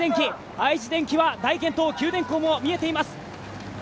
３位に愛知電機は大健闘、九電工も見えています。